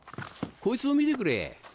こいつを見てくれ。